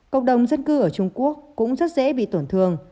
cộng đồng dân cư ở trung quốc cũng rất dễ bị tổn thương